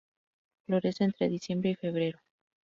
Florece entre diciembre y febrero.